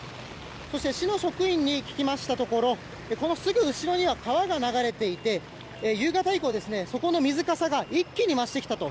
そして、市の職員に聞きましたところこのすぐ後ろには川が流れていて夕方以降、そこの水かさが一気に増してきたと。